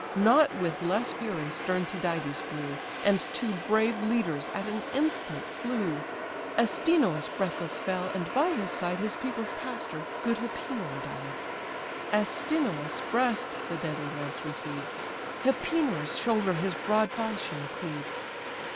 Not with less fury stern Tydides flew; And two brave leaders at an instant slew; Astynous breathless fell, and by his side, His people's pastor, good Hypenor, died; Astynous' breast the deadly lance receives, Hypenor's shoulder his broad falchion cleaves.